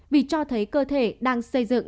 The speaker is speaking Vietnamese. vì cho thấy cơ thể đang xây dựng